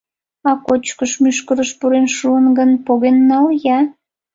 А кочкыш мӱшкырыш пурен шуын гын, поген нал-я!